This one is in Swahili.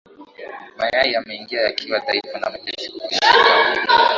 Mayai yameingia yakiwa dhaifu na mepesi kuvunjika.